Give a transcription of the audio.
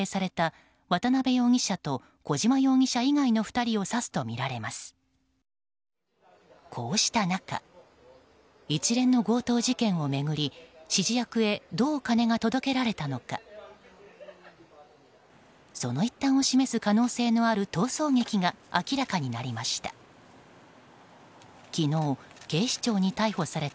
その一端を示す可能性のある逃走劇が明らかになりました。